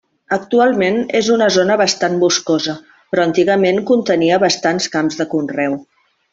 Actualment és una zona bastant boscosa, però antigament contenia bastants camps de conreu.